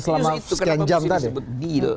selama sekian jam tadi